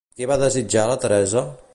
Què va desitjar la Teresa?